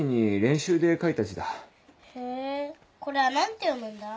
へぇこれは何て読むんだ？